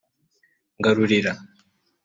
Ngarurira